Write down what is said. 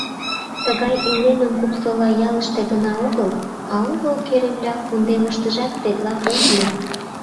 Тыгай илемым Купсола ялыште гына огыл, а уло Керемляк кундемыштыжат тетла от му.